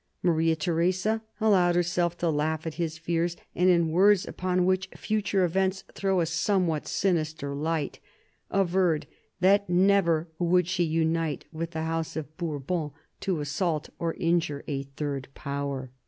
Maria Theresa allowed herself to laugh at his fears, and, in words upon which future events throw a somewhat sinister light, averred that never would she unite with the House of Bourbon to assault or injure a third Power.